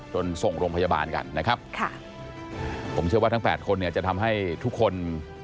ส่งโรงพยาบาลกันนะครับค่ะผมเชื่อว่าทั้งแปดคนเนี่ยจะทำให้ทุกคน